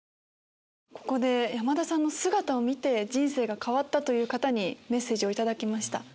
ここで山田さんの姿を見て人生が変わったという方にメッセージを頂きました。